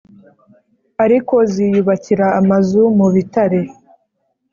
ariko ziyubakira amazu mu bitare